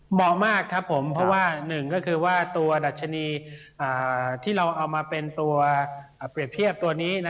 เหมาะมากครับผมก็คือว่าตัวดัชนีที่เราเอามาเป็นตัวเปรียบพรีบตัวนี้นะ